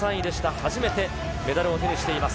初めてメダルを手にしています。